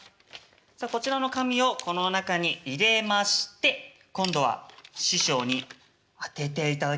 さあこちらの紙をこの中に入れまして今度は師匠に当てていただきましょう。